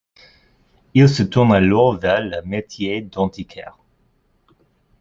Il se tourne alors vers le métier d'antiquaire.